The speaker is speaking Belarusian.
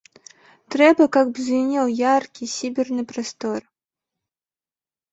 Трэба, каб звінеў яркі, сіберны прастор.